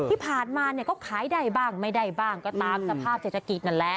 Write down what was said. ที่ผ่านมาเนี่ยก็ขายได้บ้างไม่ได้บ้างก็ตามสภาพเศรษฐกิจนั่นแหละ